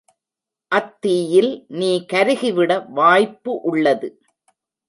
அத்தீயில் நீ கருகிவிட வாய்ப்பு உள்ளது.